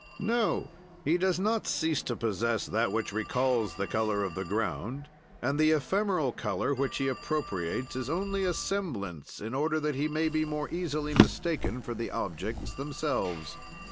"No; he does not cease to possess that which recalls the color of the ground, and the ephemeral color which he appropriates is only a semblance, in order that he may be more easily mistaken for the objects themselves.